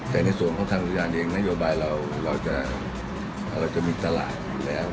แต่ในส่วนของทางอุทยานเองนโยบายเราจะมีตลาดอยู่แล้ว